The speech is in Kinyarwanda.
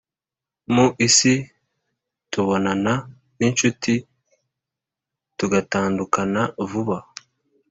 mu isi tubonana n'inshuti, tugatandukana vuba